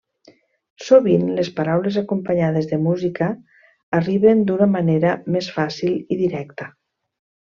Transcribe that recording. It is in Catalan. Sovint, les paraules acompanyades de música arriben d'una manera més fàcil i directa.